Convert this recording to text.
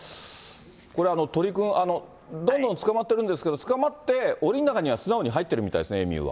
これ、鳥くん、どんどん捕まってるんですけど、捕まって、おりの中には素直に入ってるみたいですね、エミューは。